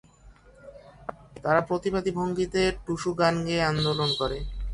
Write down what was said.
তারা প্রতিবাদী ভঙ্গিতে টুসু গান গেয়ে আন্দোলন শুরু করে।